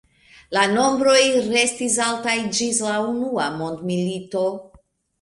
La nombroj restis altaj ĝis la Unua mondmilito.